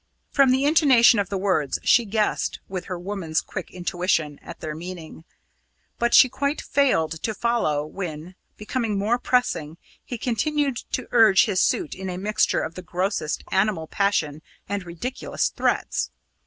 From the intonation of the words, she guessed, with her woman's quick intuition, at their meaning; but she quite failed to follow, when, becoming more pressing, he continued to urge his suit in a mixture of the grossest animal passion and ridiculous threats.